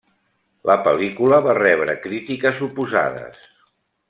La pel·lícula va rebre crítiques oposades.